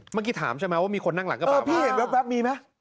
มันกี่ถามใช่ไหมว่ามีคนนั่งหลังกระบะว่าอ๋อพี่เห็นแบบมีมั้ย